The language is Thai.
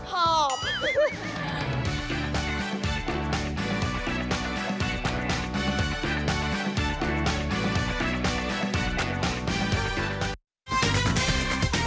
หอบ